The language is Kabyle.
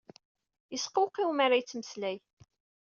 Yesqewqiw mi ara yettmeslay.